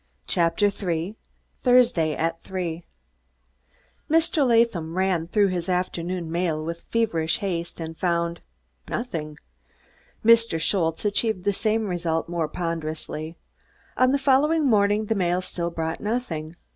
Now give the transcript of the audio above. CHAPTER III THURSDAY AT THREE Mr. Latham ran through his afternoon mail with feverish haste and found nothing; Mr. Schultze achieved the same result more ponderously. On the following morning the mail still brought nothing.